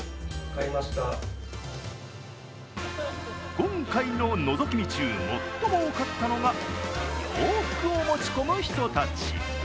今回ののぞき見中、最も多かったのが洋服を持ち込む人たち。